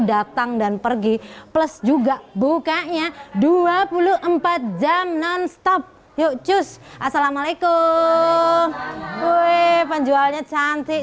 datang dan pergi plus juga bukanya dua puluh empat jam non stop yuk cus assalamualaikum why penjualnya cantik